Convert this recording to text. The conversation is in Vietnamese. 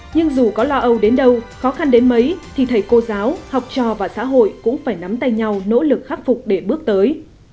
nhưng dù có lo âu đến đâu khó khăn đến mấy thì thầy cô giáo học trò và xã hội cũng phải nắm tay nhau nỗ lực khắc phục để bước tới